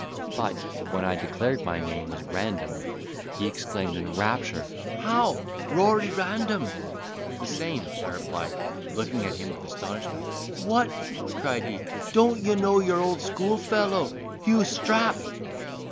But, when I declared my name was Random, he exclaimed in rapture, "How! Rory Random?" "The same," I replied, looking at him with astonishment. "What!" cried he, "don't you know your old schoolfellow, Hugh Strap?"